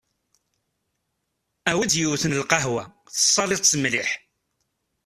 Awi-d yiwet n lqehwa tessaliḍ-tt mliḥ.